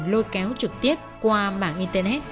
lôi kéo trực tiếp qua mạng internet